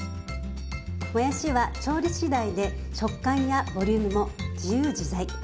もやしは調理しだいで食感やボリュームも自由自在。